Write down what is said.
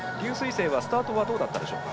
青のスタートはどうだったでしょうか。